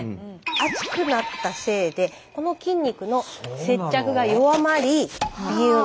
熱くなったせいでこの筋肉の接着が弱まりビューンと。